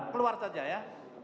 keluar saja ya